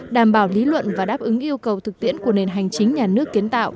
đảm bảo lý luận và đáp ứng yêu cầu thực tiễn của nền hành chính nhà nước kiến tạo